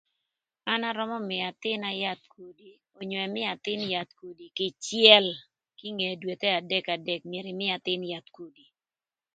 An arömö mïö athïn-na yath kudi onyo ëmïö athïn yath kïcël kinge dwethe adek adek gïnï ëmïö athïn yath kudi.